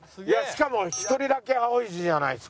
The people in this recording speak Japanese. しかも１人だけ青い字じゃないですか。